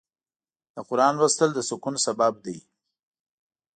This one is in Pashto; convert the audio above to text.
د قرآن لوستل د سکون سبب دی.